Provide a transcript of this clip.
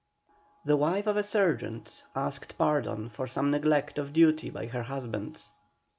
The wife of a sergeant asked pardon for some neglect of duty by her husband.